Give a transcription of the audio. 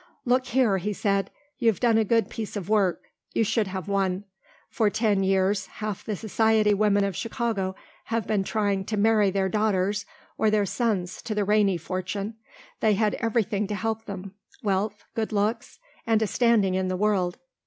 "Look here," he said, "you've done a good piece of work. You should have won. For ten years half the society women of Chicago have been trying to marry their daughters or their sons to the Rainey fortune. They had everything to help them, wealth, good looks, and a standing in the world.